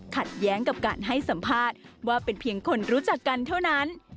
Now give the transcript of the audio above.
ขัดแย้งกับการให้สัมภาษณ์ว่าเป็นเพียงคนรู้จักกันเท่านั้น